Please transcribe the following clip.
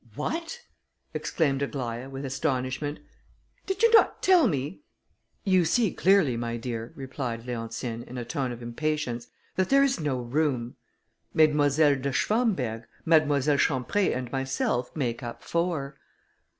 "What!" exclaimed Aglaïa, with astonishment, "did you not tell me...." "You see clearly, my dear," replied Leontine, in a tone of impatience, "that there is no room: Mesdemoiselles de Schwamberg, Mademoiselle Champré, and myself make up four."